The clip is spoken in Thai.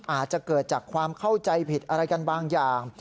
อาจจะเกิดจากความเข้าใจผิดอะไรกันบางอย่าง